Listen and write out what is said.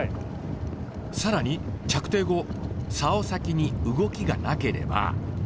更に着底後サオ先に動きがなければ。